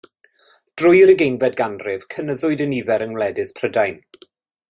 Drwy'r ugeinfed ganrif cynyddwyd y nifer yng ngwledydd Prydain.